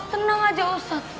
tenang aja ustadz